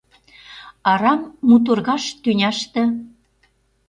арам муторгаж тӱняште